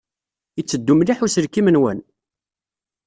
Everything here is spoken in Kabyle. Yetteddu mliḥ uselkim-nwen?